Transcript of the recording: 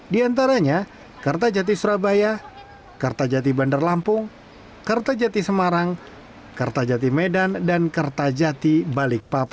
di antaranya kertajati surabaya kertajati bandar lampung kertajati semarang kertajati medan dan kertajati balikpapan